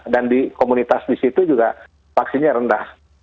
dan di komunitas di situ juga vaksinnya rendah